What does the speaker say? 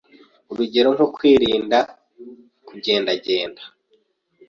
Urugero nko kwirinda kugendagenda